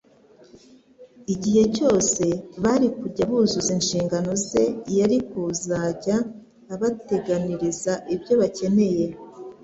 Igihe cyose bari kujya buzuza inshingano ze yari kuzajya abateganiriza ibyo bakenera.